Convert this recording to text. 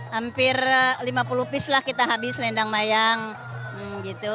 hampir lima puluh pis lah kita habis lendang mayang gitu